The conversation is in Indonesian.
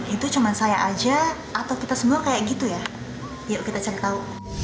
itu cuma saya aja atau kita semua kayak gitu ya yuk kita cari tahu